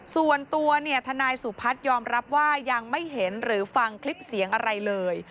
ส่วนตัวเนี่ยทนายสุพัฒน์ยอมรับว่ายังไม่เห็นหรือฟังคลิปเสียงอะไรเลย